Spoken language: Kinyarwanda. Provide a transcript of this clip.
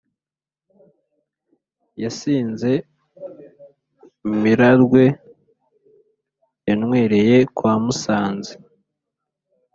Yasinze imirarwe yanywereye kwa musanzi